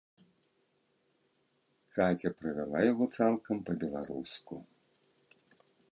Каця правяла яго цалкам па-беларуску.